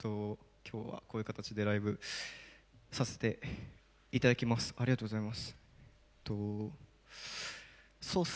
きょうは、こういう形でライブさせていただきます。